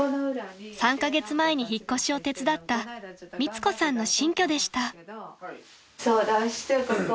［３カ月前に引っ越しを手伝った美津子さんの新居でした］